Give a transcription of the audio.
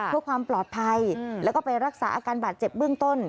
เพื่อความปลอดภัยแล้วก็ไปรักษาอาการบาดเจ็บเบื้องต้น